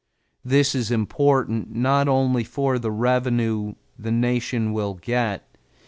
This is important not only for the revenue the Nation will get.